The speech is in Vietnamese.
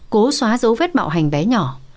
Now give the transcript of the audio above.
cố xóa dấu vết bạo hành bé nhỏ